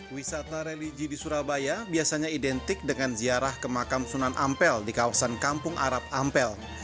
wisata religi di surabaya biasanya identik dengan ziarah ke makam sunan ampel di kawasan kampung arab ampel